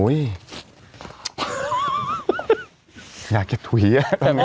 อยากจะถุยอะ